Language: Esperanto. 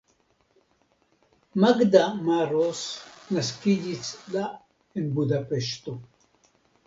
Magda Maros naskiĝis la en Budapeŝto.